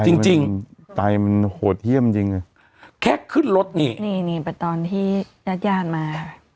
จริงจริงใจมันโหดเยี่ยมจริงแค่ขึ้นรถนี่นี่นี่แต่ตอนที่ยาดยาดมา